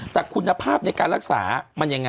แต่คุณภาพในการรักษามันยังไง